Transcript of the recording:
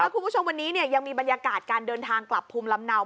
คุณผู้ชมวันนี้ยังมีบรรยากาศการเดินทางกลับภูมิลำเนา